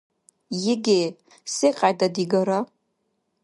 ЕГЭ – секьяйда-дигара